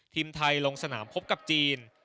ทีมไทยลงสนามพบกับจีน